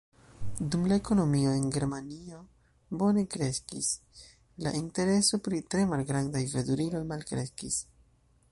Dum la ekonomio en Germanio bone kreskis, la intereso pri tre malgrandaj veturiloj malkreskis.